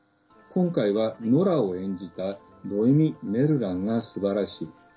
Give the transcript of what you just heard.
今回は、ノラを演じたノエミ・メルランがすばらしい。